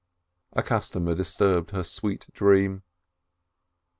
A customer disturbed her sweet dream.